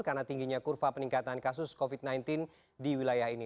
karena tingginya kurva peningkatan kasus covid sembilan belas di wilayah ini